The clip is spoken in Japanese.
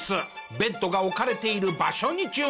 ベッドが置かれている場所に注目。